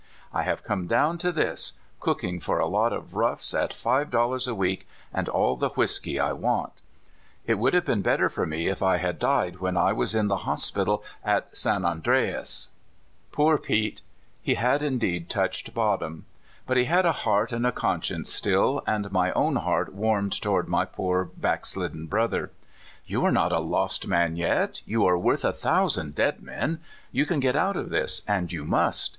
'' I have come down to this — cooking for a lot of roughs at five dollars a week and all the whisky 1 want. It would have been better for me if I had died when I was in the hospital at San Andreas." / used to be a Methodist myself,'' said Pete xvitli a sort oj choking iu his throat^'' (197) CORRALED. ^99 Poor Pete! he had indeed touched bottom. But he had a heart and a conscience still, and my own heart warmed toward my poor backslidden brother. " You are not a lost man yet. You are worth a thousand dead men. You can get out of this, and you must.